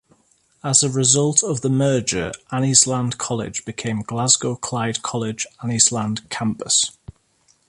As a result of the merger, Anniesland College became Glasgow Clyde College Anniesland Campus.